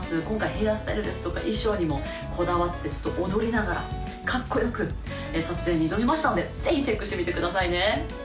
今回ヘアスタイルですとか衣装にもこだわってちょっと踊りながらかっこよく撮影に挑みましたのでぜひチェックしてみてくださいね